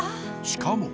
しかも。